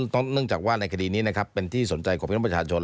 เนื่องจากว่าในคดีนี้นะครับเป็นที่สนใจของพี่น้องประชาชน